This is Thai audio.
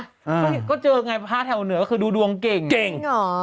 พวกเราเจอไงภาคแถวเหนือคือดูดวงเก่ง